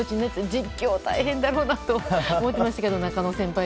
実況大変だろうなと思ってましたけど、中野先輩